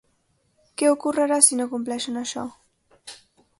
Què ocorrerà si no compleixen això?